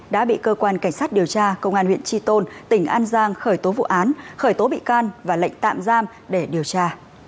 đã bị cơ quan cảnh sát điều tra công an huyện tri tôn tỉnh an giang khởi tố vụ án khởi tố bị can và lệnh tạm giam để điều tra